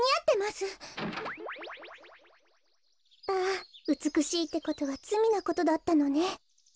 あうつくしいってことはつみなことだったのね。